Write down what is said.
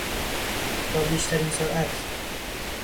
با بیشترین سرعت